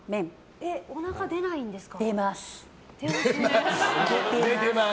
おなか出ないんですか？